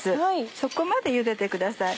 そこまでゆでてください。